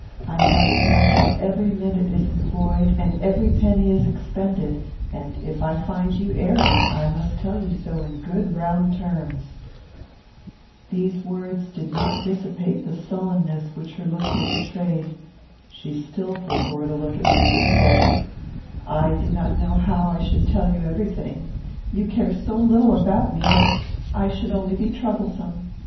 I must know how every minute is employed and every penny is expended, and, if I find you erring, I must tell you so in good round terms." These words did not dissipate the sullenness which her looks had betrayed. She still forbore to look at me, and said, "I do not know how I should tell you every thing. You care so little about me that I should only be troublesome.